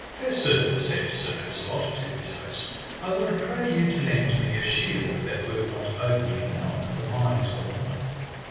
Fair sir, said Sir Launcelot to his host, I would pray you to lend me a shield that were not openly known, for mine is well known.